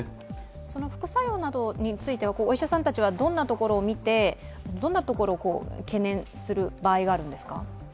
その副作用などについてはお医者さんはどんなところを見てどんなところを懸念する場合があるんですか？